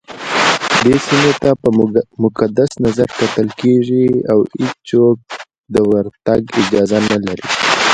دې سيمي ته په مقدس نظرکتل کېږي اوهيڅوک دورتګ اجازه نه لري